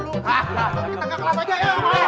kita gak kenapa aja ya